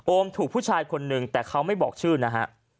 ถูกผู้ชายคนนึงแต่เขาไม่บอกชื่อนะฮะ